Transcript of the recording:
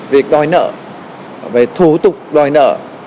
về đòi nợ về thủ tục đòi nợ